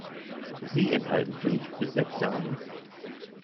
Sie enthalten fünf bis sechs Samen.